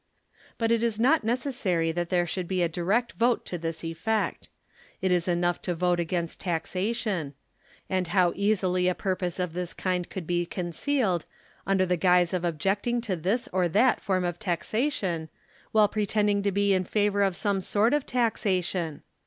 But it is not necessary that there should be a direct vote to this eifect. It is enough to vote against tax ation; and how easily a purpose of this kind could be 11 concealed, under the guise of objecting to this or that form of taxation, while pretending to be in favor of some sort of taxation